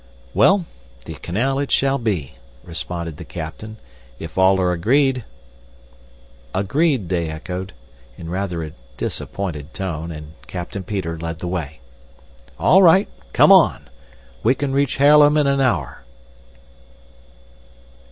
"Well, the canal it shall be," responded the captain, "if all are agreed." "Agreed!" they echoed, in rather a disappointed tone, and Captain Peter led the way. "All right, come on. We can reach Haarlem in an hour!"